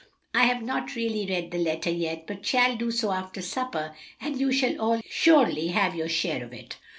"I have not really read the letter yet, but shall do so after supper, and you shall all surely have your share of it."